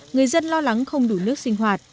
người dân lo lắng không đủ nước sinh hoạt